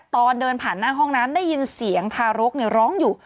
ตอนเดินผ่านหน้าห้องน้ำได้ยินเสียงทารกร้องอยู่